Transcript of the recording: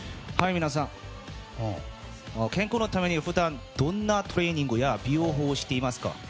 皆さん、健康のために普段、どんなトレーニングや美容法をしていますか？